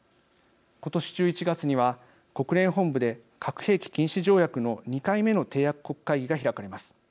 今年１１月には国連本部で核兵器禁止条約の２回目の締約国会議が開かれます。